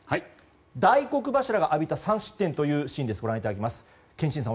大黒柱が浴びた３失点というシーンです、ご覧ください。